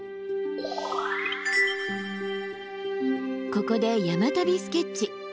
ここで山旅スケッチ。